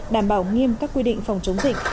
đảm bảo nghiêm các quy định phòng chống dịch